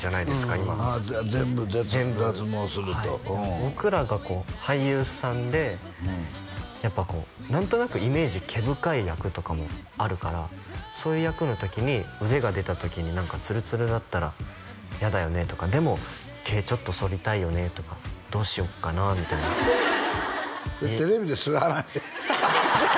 今全部脱毛するとうん全部はい僕らが俳優さんでやっぱこう何となくイメージ毛深い役とかもあるからそういう役の時に腕が出た時にツルツルだったらやだよねとかでも毛ちょっとそりたいよねとかどうしよっかなみたいなそれテレビでする話？